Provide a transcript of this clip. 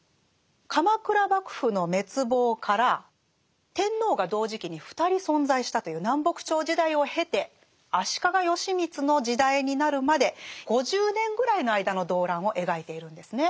鎌倉幕府の滅亡から天皇が同時期に２人存在したという南北朝時代を経て足利義満の時代になるまで５０年ぐらいの間の動乱を描いているんですね。